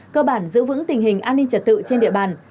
cơ bản giữ vững tình hình an ninh trật tự trên địa bàn